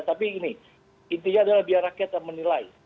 tapi gini intinya adalah biar rakyat menilai